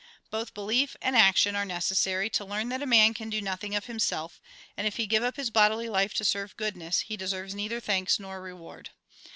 Both belief and action are necessary, to learn that a man can do nothing of himself, and if he give up his bodily life to serve goodness, he deserves neither thanks nor reward.